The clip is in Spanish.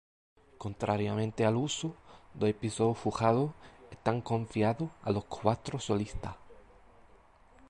Contrariamente al uso, los episodios fugados están confiados a los cuatro solistas.